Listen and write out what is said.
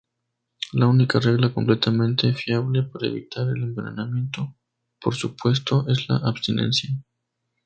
La única regla completamente fiable para evitar el envenenamiento, por supuesto, es la abstinencia.